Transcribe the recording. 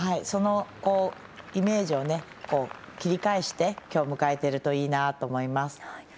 そのイメージを切り替えて今日を迎えているといいなと思います。